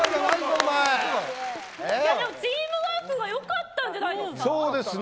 チームワークがよかったんじゃないですか。